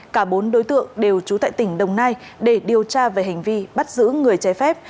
cả bốn đối tượng đều trú tại tỉnh đồng nai để điều tra về hành vi bắt giữ người trái phép